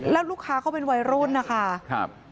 แล้วลูกค้าเขาเป็นวัยรุ่นนะคะ